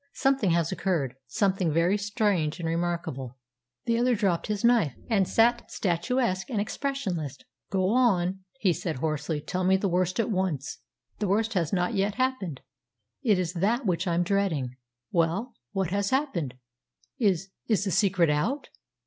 Something has occurred something very strange and remarkable." The other dropped his knife, and sat statuesque and expressionless. "Go on," he said hoarsely. "Tell me the worst at once." "The worst has not yet happened. It is that which I'm dreading." "Well, what has happened? Is is the secret out?"